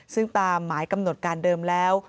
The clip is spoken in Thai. ซึ่งตามหมายกำหนดการเดิมแล้ว